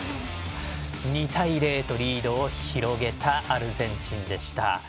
２対０とリードを広げたアルゼンチンでした。